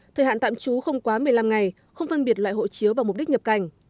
thời hạn tạm trú không quá một mươi năm ngày không phân biệt loại hộ chiếu và mục đích nhập cảnh